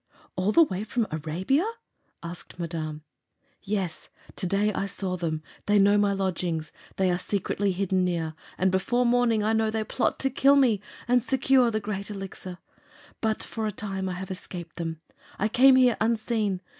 "All the way from Arabia?" asked Madame. "Yes. To day I saw them. They know my lodgings. They are secretly hidden near, and before morning I know they plot to kill me and secure the Great Elixir. But for a time I have escaped them. I came here unseen.